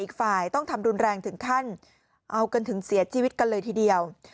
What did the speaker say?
อีกฝ่ายต้องทำรุนแรงถึงขั้นเอากันถึงเสียชีวิตกันเลยทีเดียว